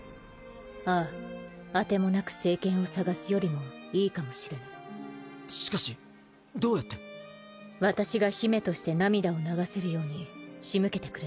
（レデ当てもなく聖剣を探すよりもいいかもしかしどうやって私が姫として涙を流せるようにしむけてくあっ